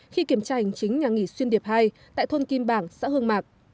khi kiểm tra hành chính nhà nghỉ xuyên điệp hai tại thôn kim bảng xã hương mạc